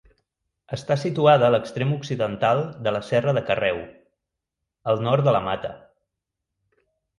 Està situada a l'extrem occidental de la Serra de Carreu, al nord de la Mata.